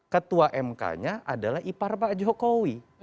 ketua mk nya adalah ipar pak jokowi